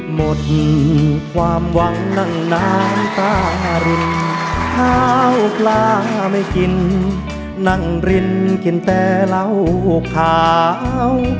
หมดความหวังนั่งน้ำตารุนข้าวปลาไม่กินนั่งรินกินแต่เหล้าขาว